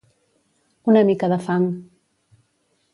Una mica de fang.